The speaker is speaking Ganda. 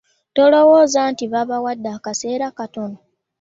Tolowooza nti babawadde akaseera katono?